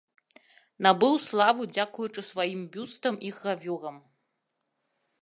Набыў славу дзякуючы сваім бюстам і гравюрам.